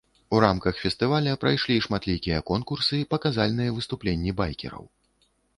У рамках фестываля прайшлі шматлікія конкурсы, паказальныя выступленні байкераў.